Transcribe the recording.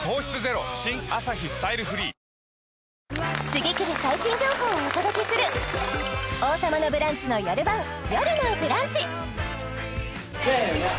次くる最新情報をお届けする「王様のブランチ」の夜版「よるのブランチ」